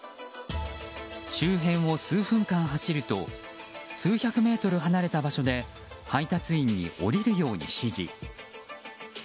周辺を数分間走ると数百メートル離れた場所で配達員に降りるように指示。